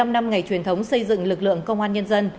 bảy mươi năm năm ngày truyền thống xây dựng lực lượng công an nhân dân